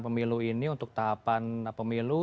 pemilu ini untuk tahapan pemilu